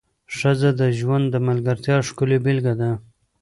ښځه د ژوند د ملګرتیا ښکلې بېلګه ده.